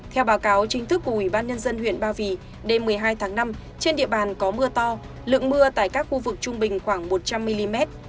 theo báo cáo chính thức của ủy ban nhân dân huyện ba vì đêm một mươi hai tháng năm trên địa bàn có mưa to lượng mưa tại các khu vực trung bình khoảng một trăm linh mm